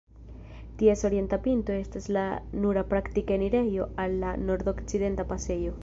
Ties orienta pinto estas la nura praktika enirejo al la Nordokcidenta pasejo.